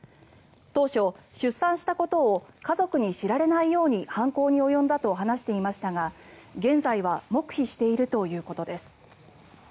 当初、出産したことを家族に知られないように犯行に及んだと話していましたが現在は黙秘しているということです。